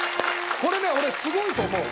これね俺すごいと思う。